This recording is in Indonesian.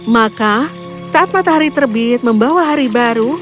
maka saat matahari terbit membawa hari baru